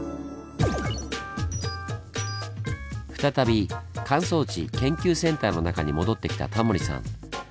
再び乾燥地研究センターの中に戻ってきたタモリさん。